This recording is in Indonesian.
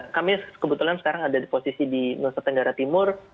kami kebetulan sekarang ada di posisi di nusa tenggara timur